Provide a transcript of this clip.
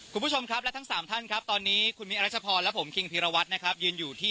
คุณผู้ชมครับและทั้งสามท่านครับตอนนี้คุณมิ้นรัชพรและผมคิงพีรวัตรนะครับยืนอยู่ที่